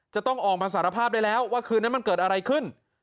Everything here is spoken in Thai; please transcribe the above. จะต้องออกมาสารภาพได้แล้วว่าคืนนั้นมันเกิดอะไรขึ้น